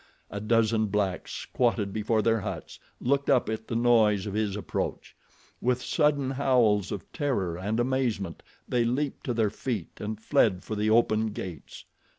A dozen blacks squatted before their huts looked up at the noise of his approach. With sudden howls of terror and amazement they leaped to their feet and fled for the open gates.